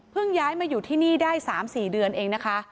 ย้ายมาอยู่ที่นี่ได้๓๔เดือนเองนะคะ